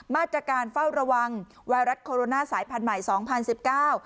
มาตรการเฝ้าระวังไวรัสโคโรนาสายพันธุ์ใหม่สองพันสิบเก้า